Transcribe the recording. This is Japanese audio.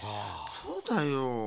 そうだよう。